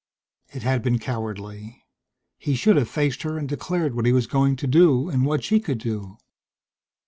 It had been cowardly he should have faced her and declared what he was going to do and what she could do.